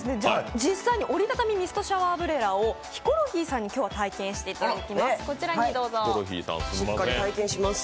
実際に折り畳みミストシャワーブレラをヒコロヒーさんに今日は体験していただきます。